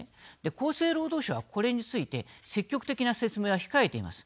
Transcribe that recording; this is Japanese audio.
厚生労働省は、これについて積極的な説明は控えています。